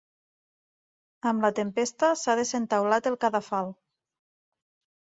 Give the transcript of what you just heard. Amb la tempesta s'ha desentaulat el cadafal.